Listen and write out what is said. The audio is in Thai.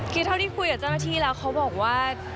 คือเท่าที่คุยกับเจ้าหน้าที่แล้วเขาบอกว่า